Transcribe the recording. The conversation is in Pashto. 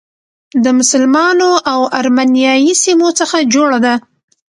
د مسلمانو او ارمنیایي سیمو څخه جوړه ده.